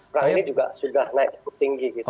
perang ini juga sudah naik cukup tinggi gitu